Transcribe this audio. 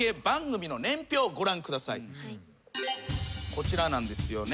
こちらなんですよね。